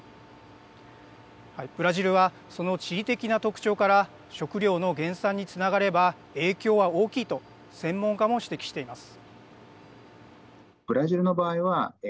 ブラジルはその地理的な特徴から食糧の減産につながれば影響は大きいと専門家も指摘しています。